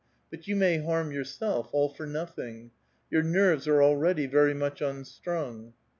But you may harm yourself, all for nothing. Your nerves are already very much unstrung."